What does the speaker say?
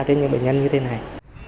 trên những bệnh nhân như thế này